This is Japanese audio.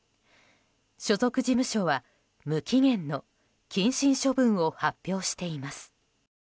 所属事務所は無期限の謹慎処分を発表しています。